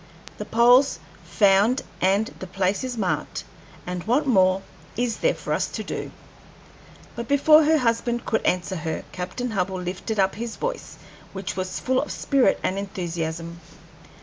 The pole's found, and the place is marked, and what more is there for us to do?" But before her husband could answer her, Captain Hubbell lifted up his voice, which was full of spirit and enthusiasm.